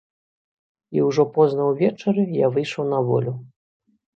І ўжо позна ўвечары я выйшаў на волю.